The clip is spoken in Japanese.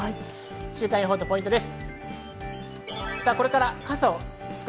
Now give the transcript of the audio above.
週間予報とポイントです。